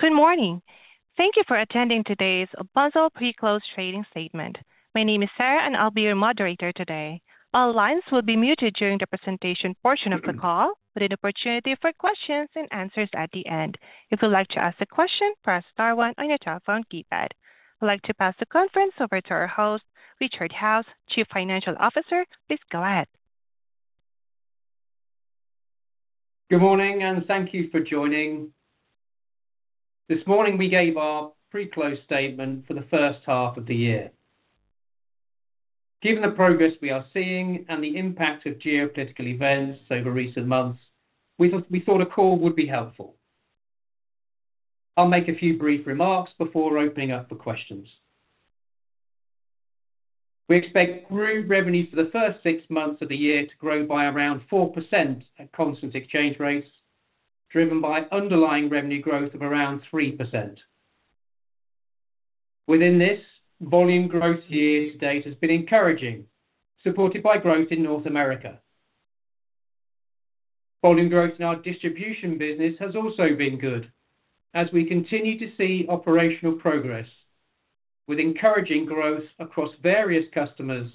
Good morning. Thank you for attending today's Bunzl pre-close trading statement. My name is Sarah, and I'll be your moderator today. All lines will be muted during the presentation portion of the call, with an opportunity for questions and answers at the end. If you'd like to ask a question, press star one on your telephone keypad. I'd like to pass the conference over to our host, Richard Howes, Chief Financial Officer. Please go ahead. Good morning. Thank you for joining. This morning, we gave our pre-close statement for the first half of the year. Given the progress we are seeing and the impact of geopolitical events over recent months, we thought a call would be helpful. I'll make a few brief remarks before opening up for questions. We expect group revenue for the first six months of the year to grow by around 4% at constant exchange rates, driven by underlying revenue growth of around 3%. Within this, volume growth year-to-date has been encouraging, supported by growth in North America. Volume growth in our distribution business has also been good as we continue to see operational progress with encouraging growth across various customers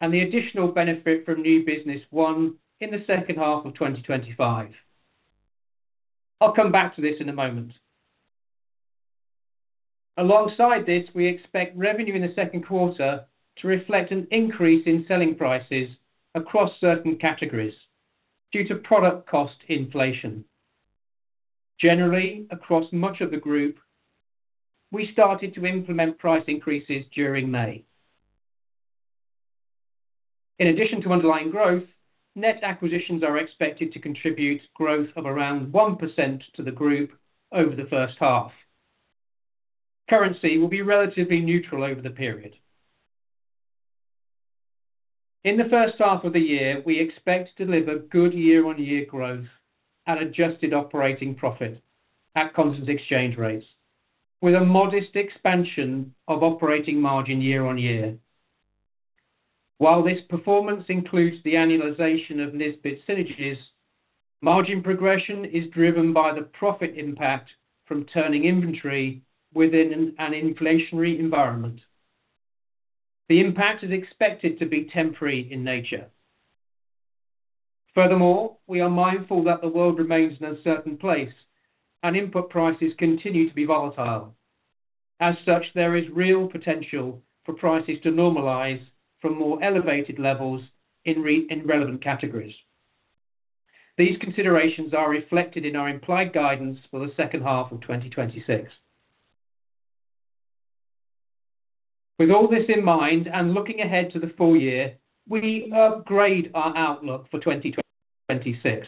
and the additional benefit from new business won in the second half of 2025. I'll come back to this in a moment. Alongside this, we expect revenue in the second quarter to reflect an increase in selling prices across certain categories due to product cost inflation. Generally, across much of the group, we started to implement price increases during May. In addition to underlying growth, net acquisitions are expected to contribute growth of around 1% to the group over the first half. Currency will be relatively neutral over the period. In the first half of the year, we expect to deliver good year-on-year growth and adjusted operating profit at constant exchange rates, with a modest expansion of operating margin year-on-year. While this performance includes the annualization of Nisbets synergies, margin progression is driven by the profit impact from turning inventory within an inflationary environment. The impact is expected to be temporary in nature. Furthermore, we are mindful that the world remains an uncertain place, and input prices continue to be volatile. As such, there is real potential for prices to normalize from more elevated levels in relevant categories. These considerations are reflected in our implied guidance for the second half of 2026. With all this in mind and looking ahead to the full year, we upgrade our outlook for 2026.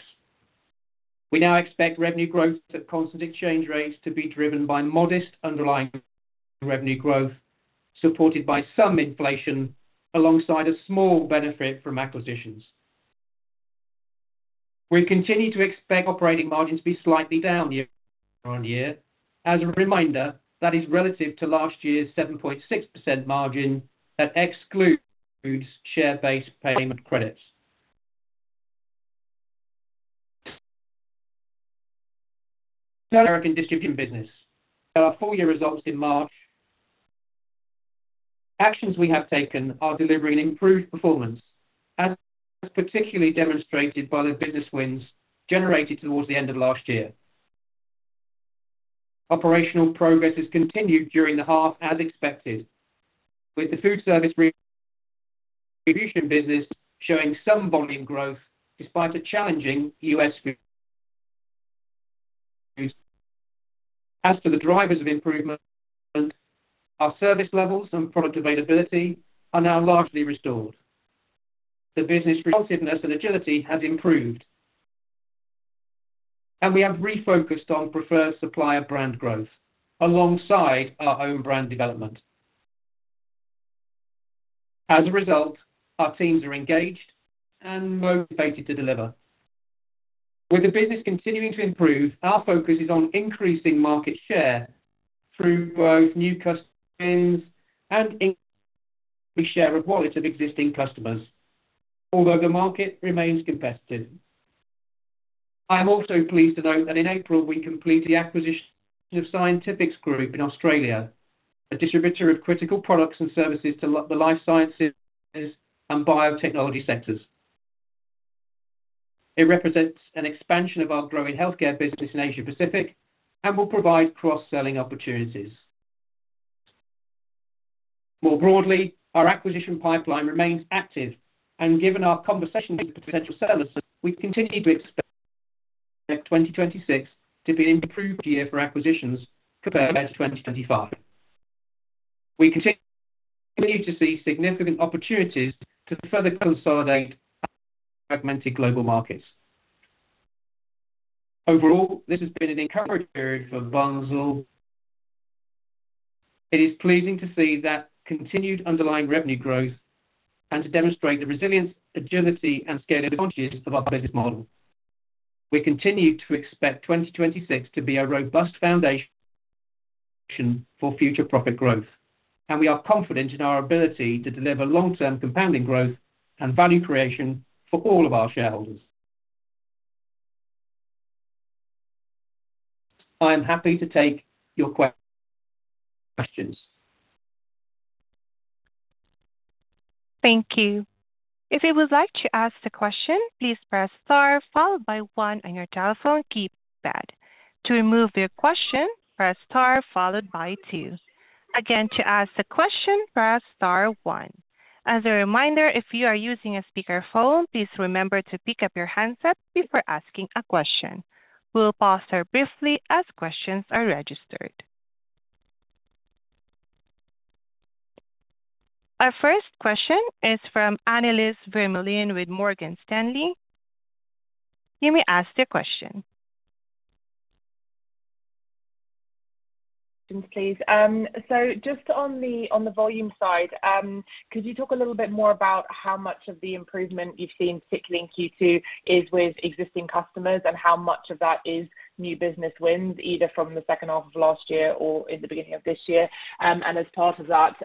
We now expect revenue growth at constant exchange rates to be driven by modest underlying revenue growth, supported by some inflation alongside a small benefit from acquisitions. We continue to expect operating margins to be slightly down year-on-year. As a reminder, that is relative to last year's 7.6% margin that excludes share-based payment credits. Turning to our North American distribution business. At our full-year results in March, actions we have taken are delivering improved performance, as particularly demonstrated by the business wins generated towards the end of last year. Operational progress has continued during the half as expected, with the food service distribution business showing some volume growth despite a challenging U.S. foodservice industry. As for the drivers of improvement, our service levels and product availability are now largely restored. The business responsiveness and agility has improved. We have refocused on preferred supplier brand growth alongside our own brand development. As a result, our teams are engaged and motivated to deliver. With the business continuing to improve, our focus is on increasing market share through both new customers and increased share of wallet of existing customers, although the market remains competitive. I am also pleased to note that in April, we completed the acquisition of Scientifix Group in Australia, a distributor of critical products and services to the life sciences and biotechnology sectors. It represents an expansion of our growing healthcare business in Asia Pacific and will provide cross-selling opportunities. More broadly, our acquisition pipeline remains active. Given our conversations with potential sellers, we continue to expect 2026 to be an improved year for acquisitions compared to 2025. We continue to see significant opportunities to further consolidate fragmented global markets. Overall, this has been an encouraging period for Bunzl. It is pleasing to see that continued underlying revenue growth and to demonstrate the resilience, agility and scale advantages of our business model. We continue to expect 2026 to be a robust foundation for future profit growth, and we are confident in our ability to deliver long-term compounding growth and value creation for all of our shareholders. I am happy to take your questions. Thank you. If you would like to ask a question, please press star followed by one on your telephone keypad. To remove your question, press star followed by two. Again, to ask the question, press star one. As a reminder, if you are using a speakerphone, please remember to pick up your handset before asking a question. We'll pause here briefly as questions are registered. Our first question is from Annelies Vermeulen with Morgan Stanley. You may ask your question. Please. Just on the volume side, could you talk a little bit more about how much of the improvement you've seen particularly in Q2 is with existing customers and how much of that is new business wins, either from the second half of last year or in the beginning of this year? As part of that,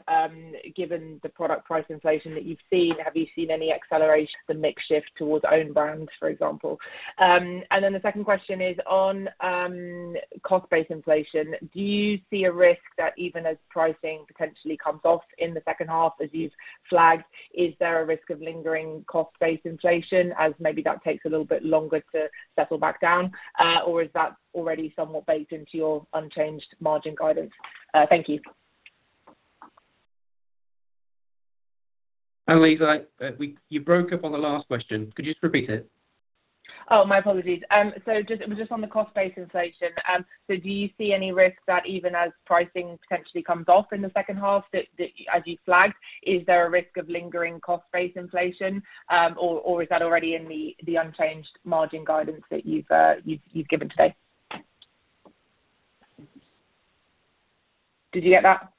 given the product price inflation that you've seen, have you seen any acceleration of the mix shift towards own brands, for example? Then the second question is on cost base inflation. Do you see a risk that even as pricing potentially comes off in the second half, as you've flagged, is there a risk of lingering cost base inflation as maybe that takes a little bit longer to settle back down? Or is that already somewhat baked into your unchanged margin guidance? Thank you. Annelies, you broke up on the last question. Could you just repeat it? Oh, my apologies. It was just on the cost base inflation. Do you see any risk that even as pricing potentially comes off in the second half as you flagged, is there a risk of lingering cost base inflation? Is that already in the unchanged margin guidance that you've given today? Did you get that?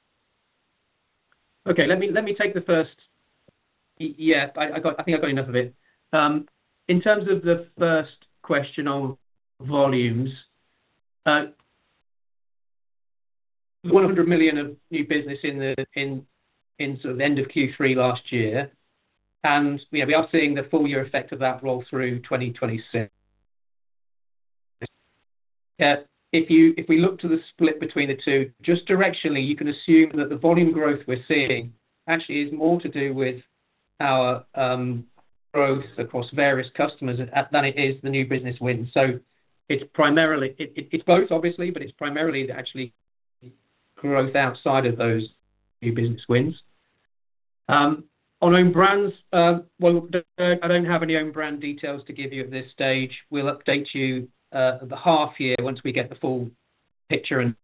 Okay. Let me take the first. Yeah, I think I got enough of it. In terms of the first question on volumes, there was 100 million of new business in the end of Q3 last year. We are seeing the full year effect of that roll through 2026. If we look to the split between the two, just directionally, you can assume that the volume growth we're seeing actually is more to do with our growth across various customers than it is the new business wins. It's both obviously, but it's primarily actually growth outside of those new business wins. On own brands, well, I don't have any own brand details to give you at this stage. We'll update you at the half year once we get the full picture and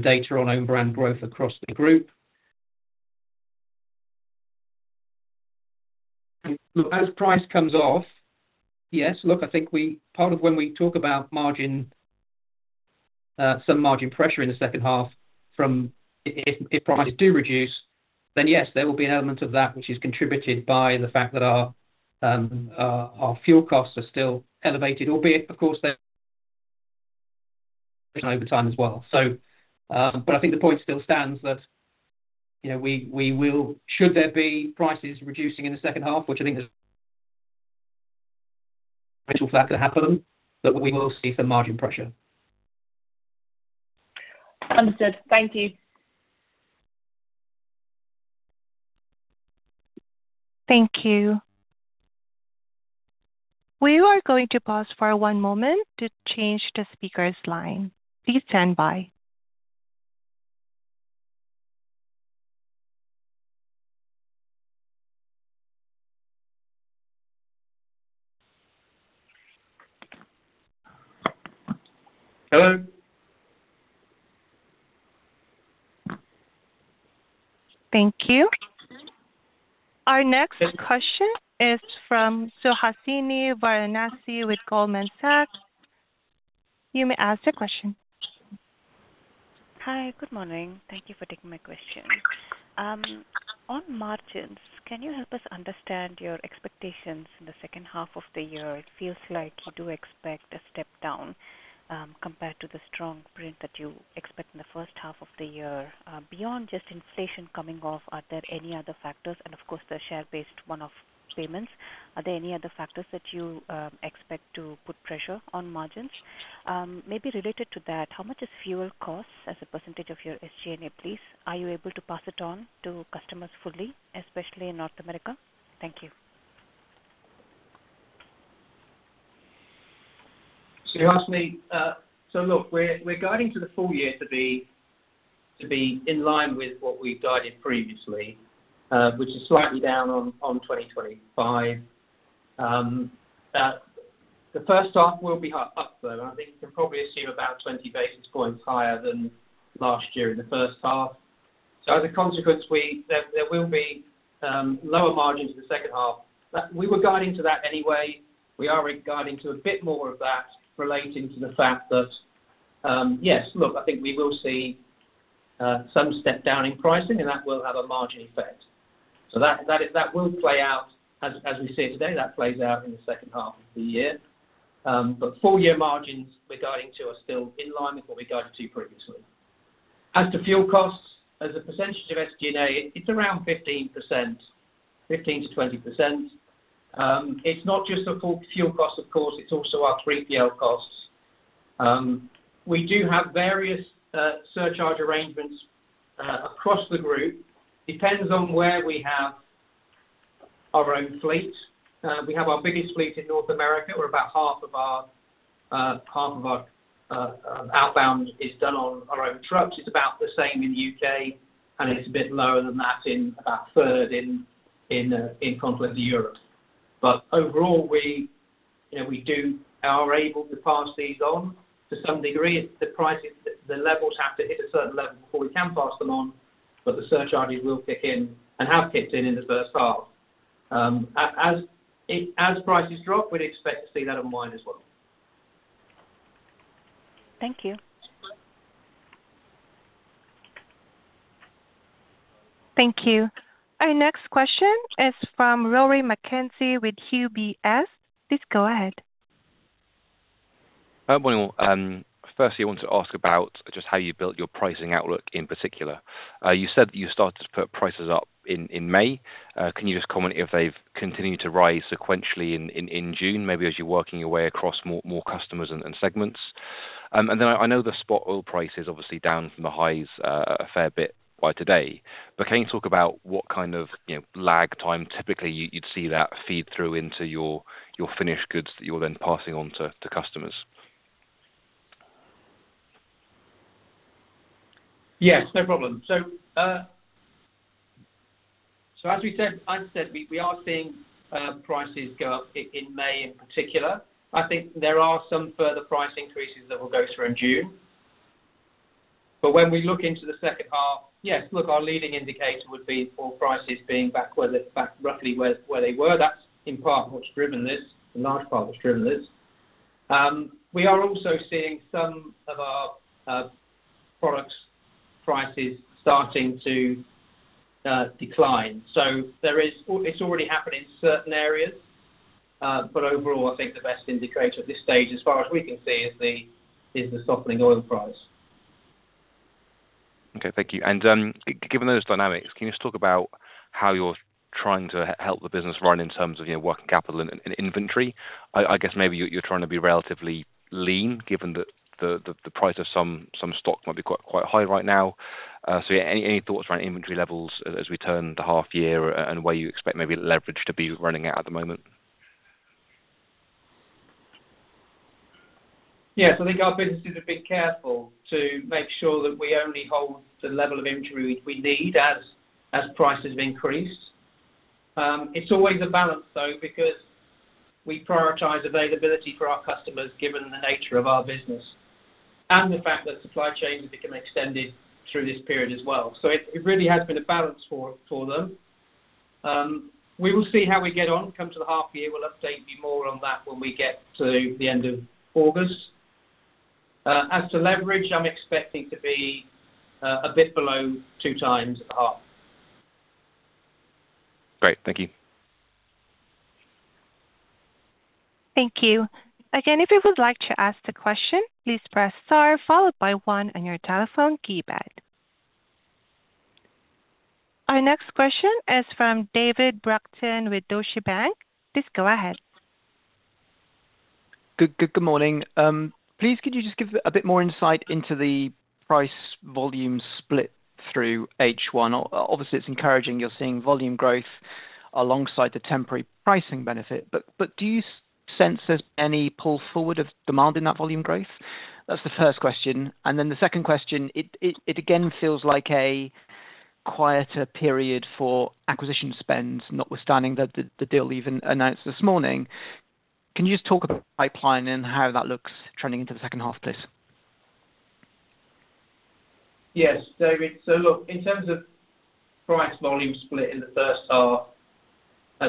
data on own brand growth across the group. Look, as price comes off, yes, look, I think part of when we talk about some margin pressure in the second half, if prices do reduce, then yes, there will be an element of that which is contributed by the fact that our fuel costs are still elevated, albeit of course, they're over time as well. I think the point still stands that we will, should there be prices reducing in the second half, which I think is potential for that to happen, that we will see some margin pressure. Understood. Thank you. Thank you. We are going to pause for one moment to change the speaker's line. Please stand by. Hello. Thank you. Our next question is from Suhasini Varanasi with Goldman Sachs. You may ask your question. Hi. Good morning. Thank you for taking my question. On margins, can you help us understand your expectations in the second half of the year? It feels like you do expect a step down, compared to the strong print that you expect in the first half of the year. Beyond just inflation coming off, are there any other factors, and of course, the share-based one-off payments, are there any other factors that you expect to put pressure on margins? Maybe related to that, how much is fuel costs as a percentage of your SG&A, please? Are you able to pass it on to customers fully, especially in North America? Thank you. Suhasini. Look, we're guiding to the full year to be in line with what we guided previously, which is slightly down on 2025. The first half will be up, though. I think you can probably assume about 20 basis points higher than last year in the first half. As a consequence, there will be lower margins in the second half. We were guiding to that anyway. We are guiding to a bit more of that relating to the fact that, yes, look, I think we will see some step down in pricing, and that will have a margin effect. That will play out as we see it today. That plays out in the second half of the year. Full-year margins we're guiding to are still in line with what we guided to previously. As to fuel costs, as a percentage of SGA, it's around 15%-20%. It's not just the full fuel cost, of course, it's also our 3PL costs. We do have various surcharge arrangements across the group. Depends on where we have our own fleet. We have our biggest fleet in North America, where about half of our outbound is done on our own trucks. It's about the same in the U.K., and it's a bit lower than that, about a third, in Continental Europe. Overall, we are able to pass these on to some degree. The levels have to hit a certain level before we can pass them on, but the surcharges will kick in and have kicked in in the first half. As prices drop, we'd expect to see that unwind as well. Thank you. Thank you. Our next question is from Rory McKenzie with UBS. Please go ahead. Morning, all. Firstly, I wanted to ask about just how you built your pricing outlook in particular. You said that you started to put prices up in May. Can you just comment if they've continued to rise sequentially in June, maybe as you're working your way across more customers and segments? I know the spot oil price is obviously down from the highs a fair bit by today, but can you talk about what kind of lag time typically you'd see that feed through into your finished goods that you're then passing on to customers? Yes, no problem. As I said, we are seeing prices go up in May in particular. I think there are some further price increases that will go through in June. When we look into the second half, yes, look, our leading indicator would be for prices being back roughly where they were. That's in part what's driven this, the large part that's driven this. We are also seeing some of our products prices starting to decline. It's already happened in certain areas. Overall I think the best indicator at this stage, as far as we can see, is the softening oil price. Okay, thank you. Given those dynamics, can you just talk about how you're trying to help the business run in terms of your working capital and inventory? I guess maybe you're trying to be relatively lean given that the price of some stock might be quite high right now. Yeah, any thoughts around inventory levels as we turn into the half year and where you expect maybe leverage to be running at at the moment? Yes. I think our businesses have been careful to make sure that we only hold the level of inventory we need as prices increase. It's always a balance though, because we prioritize availability for our customers given the nature of our business, and the fact that supply chains become extended through this period as well. It really has been a balance for them. We will see how we get on come to the half year. We'll update you more on that when we get to the end of August. As to leverage, I'm expecting to be a bit below two times a half. Great. Thank you. Thank you. Again, if you would like to ask a question, please press star followed by one on your telephone keypad. Our next question is from David Brockton with Deutsche Bank. Please go ahead. Good morning. Please could you just give a bit more insight into the price volume split through H1? Obviously, it's encouraging you're seeing volume growth alongside the temporary pricing benefit. Do you sense there's any pull forward of demand in that volume growth? That's the first question. The second question, it again feels like a quieter period for acquisition spends, notwithstanding the deal even announced this morning. Can you just talk about the pipeline and how that looks trending into the second half, please? Yes, David. Look, in terms of price volume split in the first half,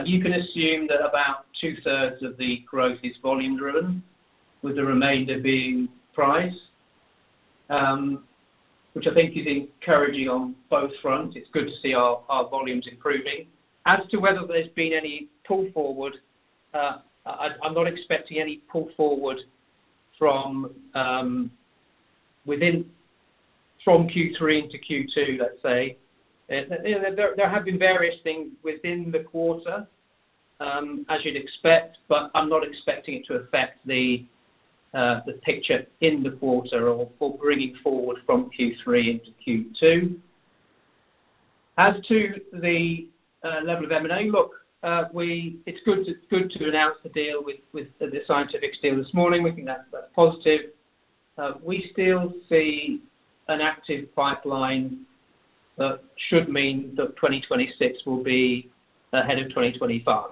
you can assume that about 2/3 of the growth is volume driven, with the remainder being price, which I think is encouraging on both fronts. It's good to see our volumes improving. As to whether there's been any pull forward, I'm not expecting any pull forward from Q3 into Q2, let's say. There have been various things within the quarter, as you'd expect, but I'm not expecting it to affect the picture in the quarter or bringing forward from Q3 into Q2. As to the level of M&A, look, it's good to announce the Scientifix deal this morning. We think that's a positive. We still see an active pipeline that should mean that 2026 will be ahead of 2025.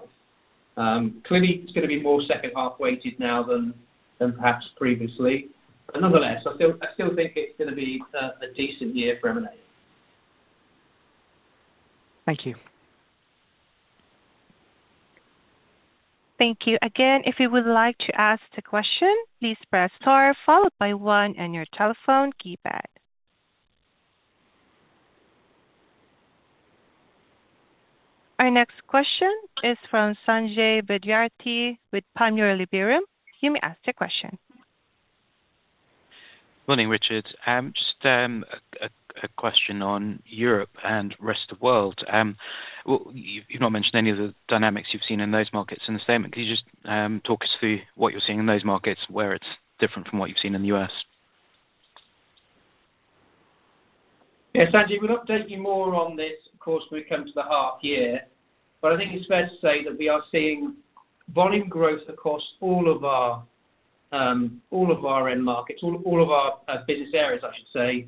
Clearly, it's going to be more second half weighted now than perhaps previously. I still think it's going to be a decent year for M&A. Thank you. Thank you. Again, if you would like to ask a question, please press star followed by one on your telephone keypad. Our next question is from Sanjay Vidyarthi with Panmure Liberum. You may ask your question. Morning, Richard. Just a question on Europe and rest of world. You've not mentioned any of the dynamics you've seen in those markets in the statement. Can you just talk us through what you're seeing in those markets, where it's different from what you've seen in the U.S.? Sanjay. We'll update you more on this, of course, when we come to the half year. I think it's fair to say that we are seeing volume growth across all of our end markets, all of our business areas, I should say.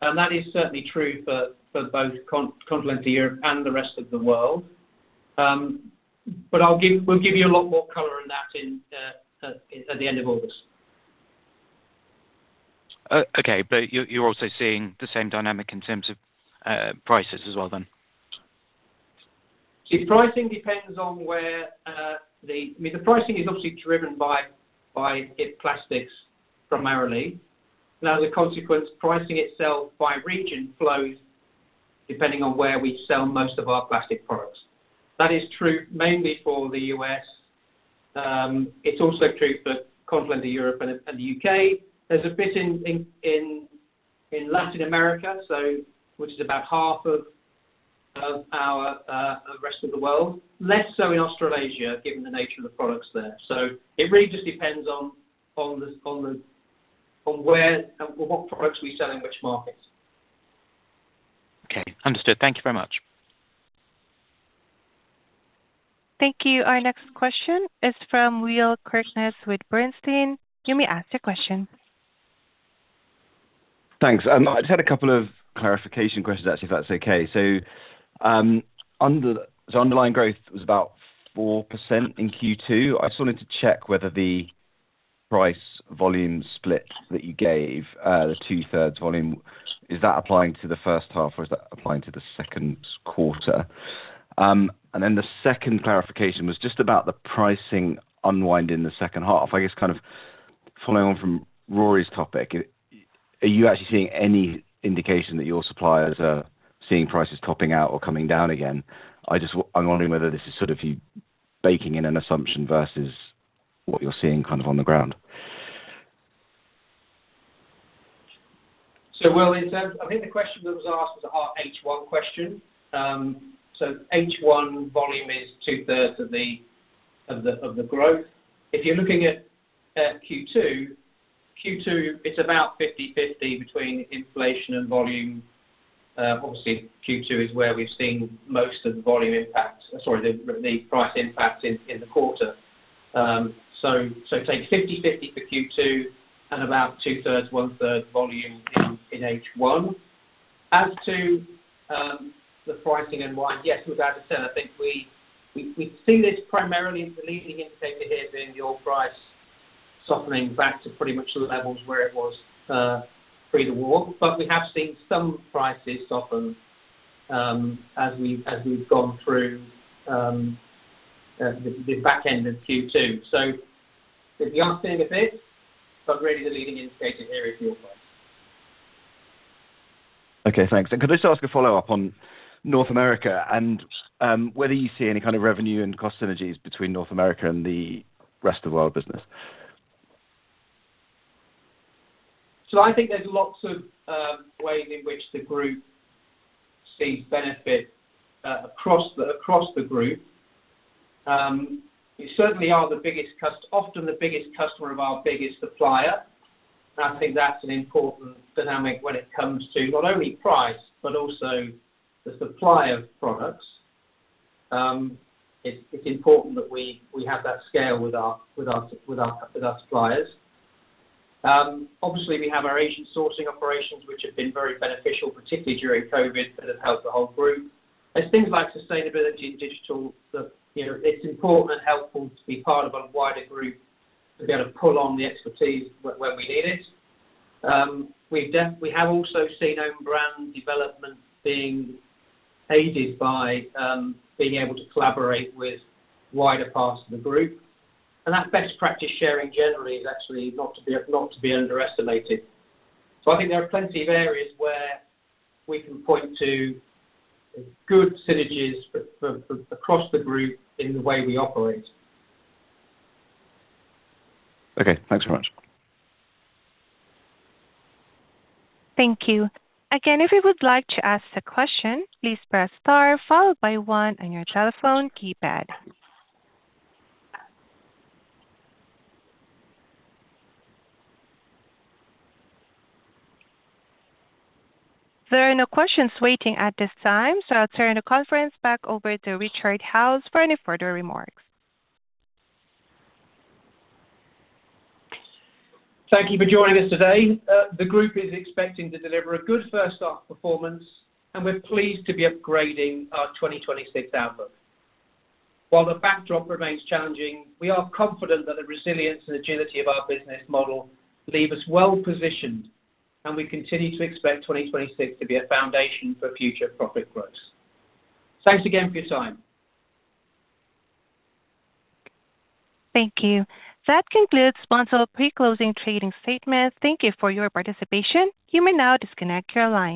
That is certainly true for both Continental Europe and the rest of the world. We'll give you a lot more color on that at the end of August. Okay. You're also seeing the same dynamic in terms of prices as well then? See, pricing depends on where the I mean, the pricing is obviously driven by ICIS Plastics primarily. As a consequence, pricing itself by region flows depending on where we sell most of our plastic products. That is true mainly for the U.S. It's also true for Continental Europe and the U.K. There's a bit in Latin America, which is about half of our rest of the world. Less so in Australasia, given the nature of the products there. It really just depends on what products we sell in which markets. Okay. Understood. Thank you very much. Thank you. Our next question is from Will Kirkness with Bernstein. You may ask your question. Thanks. I just had a couple of clarification questions, actually, if that's okay. Underlying growth was about 4% in Q2. I just wanted to check whether the price volume split that you gave, the two-thirds volume, is that applying to the first half or is that applying to the second quarter? The second clarification was just about the pricing unwind in the second half. I guess kind of following on from Rory's topic. Are you actually seeing any indication that your suppliers are seeing prices topping out or coming down again? I'm wondering whether this is sort of you baking in an assumption versus what you're seeing kind of on the ground. Will, I think the question that was asked was a H1 question. H1 volume is 2/3 of the growth. If you're looking at Q2 it's about 50/50 between inflation and volume. Q2 is where we've seen most of the volume impact, the price impact in the quarter. Take 50/50 for Q2 and about two-thirds, one-third volume in H1. As to the pricing unwind, yes, without a doubt I think we've seen this primarily as the leading indicator here being your price softening back to pretty much the levels where it was pre the war. We have seen some prices soften as we've gone through the back end of Q2. There's the upswing a bit, but really the leading indicator here is your price. Okay, thanks. Could I just ask a follow-up on North America and whether you see any kind of revenue and cost synergies between North America and the rest of world business? I think there's lots of ways in which the group sees benefit across the group. We certainly are often the biggest customer of our biggest supplier, and I think that's an important dynamic when it comes to not only price but also the supply of products. It's important that we have that scale with our suppliers. Obviously we have our Asian sourcing operations, which have been very beneficial, particularly during COVID, that have helped the whole group. There's things like sustainability and digital that it's important and helpful to be part of a wider group to be able to pull on the expertise when we need it. We have also seen own brand development being aided by being able to collaborate with wider parts of the group. That best practice sharing generally is actually not to be underestimated. I think there are plenty of areas where we can point to good synergies across the group in the way we operate. Okay, thanks very much. Thank you. Again, if you would like to ask a question, please press star followed by one on your telephone keypad. There are no questions waiting at this time, I'll turn the conference back over to Richard Howes for any further remarks. Thank you for joining us today. The group is expecting to deliver a good first half performance. We're pleased to be upgrading our 2026 outlook. While the backdrop remains challenging, we are confident that the resilience and agility of our business model leave us well positioned. We continue to expect 2026 to be a foundation for future profit growth. Thanks again for your time. Thank you. That concludes Bunzl pre-closing trading statement. Thank you for your participation. You may now disconnect your line.